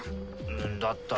だったら。